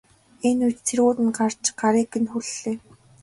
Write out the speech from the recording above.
Энэ үед цэргүүд нь ирж гарыг нь хүллээ.